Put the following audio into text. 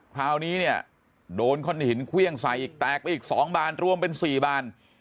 คราวนี้เนี่ยโดนก้อนหินเครื่องใส่อีกแตกไปอีก๒บานรวมเป็น๔บาน